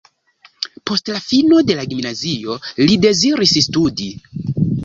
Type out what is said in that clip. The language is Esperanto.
Post la fino de la gimnazio li deziris studi.